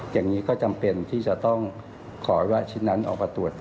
อย่างนี้ก็จำเป็นที่จะต้องขอให้ว่าชิ้นนั้นออกมาตรวจ